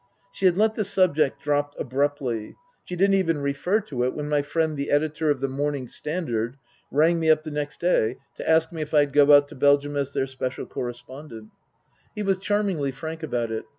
She had let the subject drop abruptly. She didn't even refer to it when my friend the editor of the Morning Standard rang me up the next day to ask me if I'd go out to Belgium as their Special Correspondent. Book III : His Book 279 He was charmingly frank about it.